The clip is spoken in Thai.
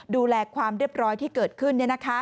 ดูแลความเรียบร้อยที่เกิดขึ้น